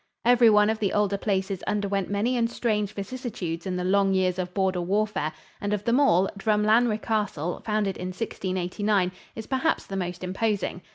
Every one of the older places underwent many and strange vicissitudes in the long years of border warfare, and of them all, Drumlanrigh Castle, founded in 1689, is perhaps the most imposing.